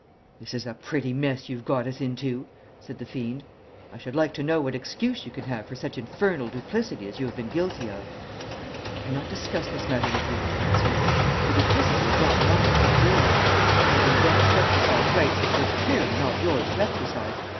"'This is a pretty mess you've got us into,' said the fiend. 'I should like to know what excuse you can have for such infernal duplicity as you have been guilty of?' "'I cannot discuss this matter with you,' I answered. 'The duplicity is not mine, but yours. You have endeavoured to exercise rights which were clearly not yours to exercise.